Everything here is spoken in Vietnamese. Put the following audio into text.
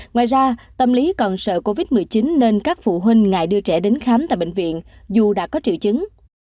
ngoài ra tâm lý còn sợ covid một mươi chín nên các phụ huynh ngại đưa trẻ đến khám tại bệnh viện dù đã có triệu chứng